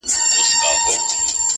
او په تصوير كي مي!!